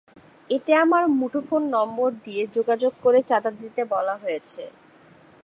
এতে একটি মুঠোফোন নম্বর দিয়ে যোগাযোগ করে চাঁদা দিতে বলা হয়েছে।